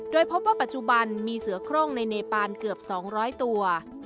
โดยพบว่าปัจจุบันมีเสือโครงในเนปานเกือบ๒๐๐ตัว